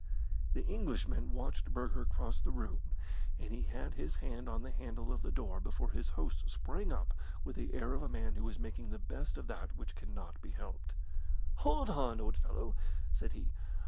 The Englishman watched Burger cross the room, and he had his hand on the handle of the door before his host sprang up with the air of a man who is making the best of that which cannot be helped. "Hold on, old fellow," said he.